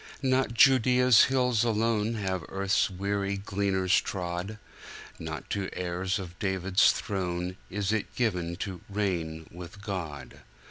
Not Judea's hills alone Have earth's weary gleaners trod, Not to heirs of David's throne Is it given to "reign with God."